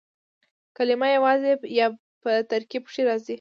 کلیمه یوازي یا په ترکیب کښي راځي.